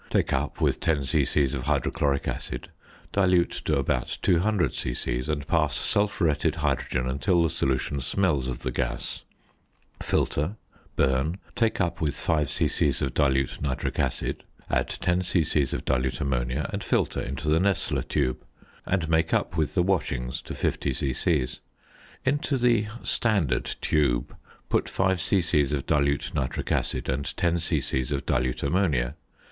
Take up with 10 c.c. of hydrochloric acid; dilute to about 200 c.c., and pass sulphuretted hydrogen until the solution smells of the gas; filter, burn, take up with 5 c.c. of dilute nitric acid, add 10 c.c. of dilute ammonia, and filter into the Nessler tube, and make up with the washings to 50 c.c. Into the "standard" tube put 5 c.c. of dilute nitric acid and 10 c.c. of dilute ammonia.